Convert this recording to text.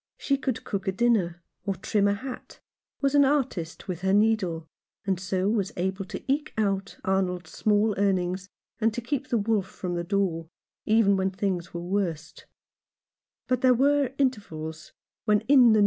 She could cook a dinner, or trim a hat, was an artist with her needle, and so was able to eke out Arnold's small earnings, and to keep the wolf from the door, even when things were worst ; but there were intervals when In the 41 Rough Justice.